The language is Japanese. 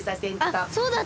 あっそうだった！